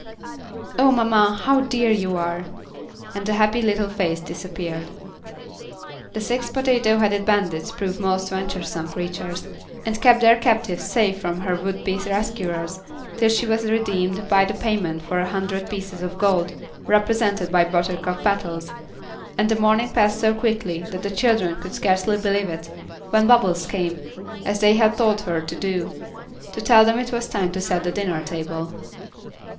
"Oh, mamma, how dear you are," and the happy little face disappeared. The six potato headed bandits proved most venturesome creatures, and kept their captive safe from her would be rescuers, till she was redeemed by the payment of a hundred pieces of gold, represented by buttercup petals, and the morning passed so quickly that the children could scarcely believe it, when Bubbles came as they had told her to do to tell them it was time to set the dinner table.